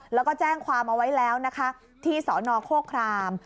แล้วก็แจ้งความเอาไว้แล้วนะคะที่สนโคคราม